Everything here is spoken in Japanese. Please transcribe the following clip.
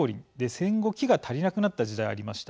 戦後、木が足りなくなった時代ありました。